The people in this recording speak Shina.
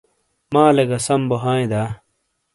مالے گہ سم بو ہائے دا ؟